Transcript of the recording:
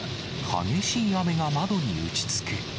激しい雨が窓に打ち付け。